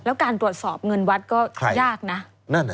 แล้วการตรวจสอบเงินวัดก็ยากนะ